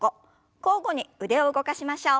交互に腕を動かしましょう。